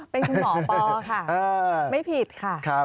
เป็นคุณหมอปอค่ะไม่ผิดค่ะ